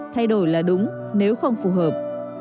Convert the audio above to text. thay đổi là đúng nếu không phù hợp